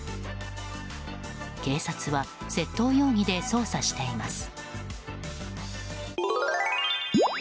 警察は窃盗容疑で捜査しています。